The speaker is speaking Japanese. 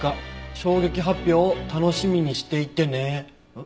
「衝撃発表を楽しみにしていてね☆」ん？